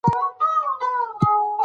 که هر څوک ښه شي، نو نړۍ به ګلزار شي.